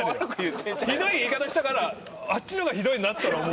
ひどい言い方したからあっちのがひどいなって俺は思う。